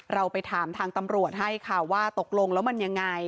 เราไปถามทางตำรวจให้ค่ะว่าตกลงแล้วมันยังไง